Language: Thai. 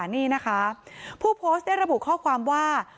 นี่นะคะผู้โพสต์ได้ระบุข้อความว่า